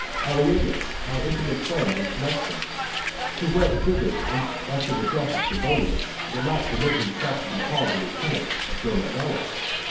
Allienus, my intimate friend and connexion, who went thither after the death of Trebonius, will not permit himself to be called the lieutenant of Dolabella.